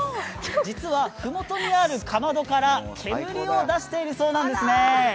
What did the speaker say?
実は麓にあるかまどから煙を出しているそうなんですね。